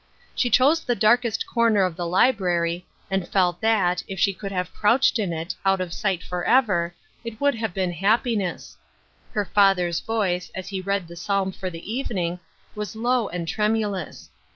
She chose the darkest corner of the library, and felt that, if she could have crouched in it, out of sight forever, it would have been happiness. Her father's voice, as he read the psalm for the evening, was low and tremulous.